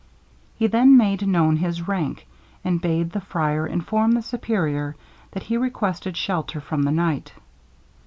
He then made known his rank, and bade the friar inform the Superior that he requested shelter from the night.